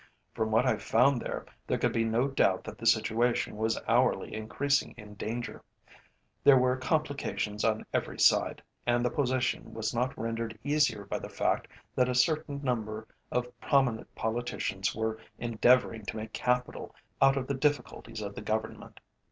From what I found there, there could be no doubt that the situation was hourly increasing in danger. There were complications on every side, and the position was not rendered easier by the fact that a certain number of prominent politicians were endeavouring to make capital out of the difficulties of the Government.